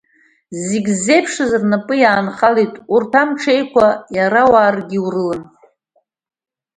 Зегьы ззеиԥшыз рнапы иаанахалеит, урҭ амҽеиқәа иара уаргьы урылан.